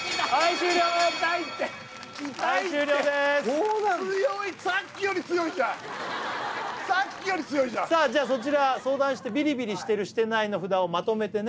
強いさっきより強いじゃんさっきより強いじゃんじゃそちら相談してビリビリしてるしてないの札をまとめてね